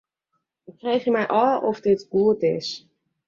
Ik freegje my ôf oft dit goed is.